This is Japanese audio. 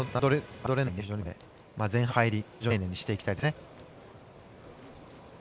前半の入りを非常に丁寧にしていきたいですね。